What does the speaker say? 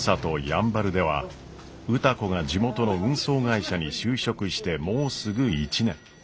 やんばるでは歌子が地元の運送会社に就職してもうすぐ１年。